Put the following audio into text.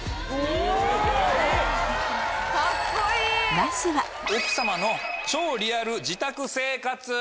まずは奥様の超リアル自宅生活！